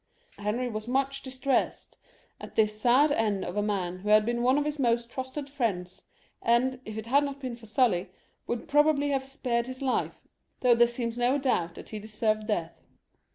Henry was much <iistressed at this sad end of a man who had been one of his most trusted friends, and if it had not been for Sully, would probably have spared his life, though there seems no doubt that he deserved death.